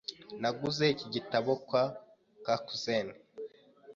Naguze iki gitabo kwa Kakuzen.